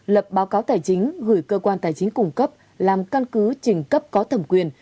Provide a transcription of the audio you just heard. lập báo cáo tài chính gửi cơ quan tài chính cung cấp làm căn cứ trình cấp có thẩm quyền